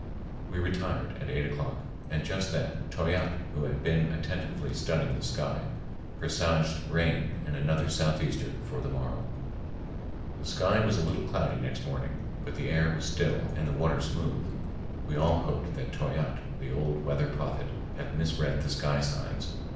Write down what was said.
We retired at eight o'clock, and just then Toyatte, who had been attentively studying the sky, presaged rain and another southeaster for the morrow. The sky was a little cloudy next morning, but the air was still and the water smooth. We all hoped that Toyatte, the old weather prophet, had misread the sky signs.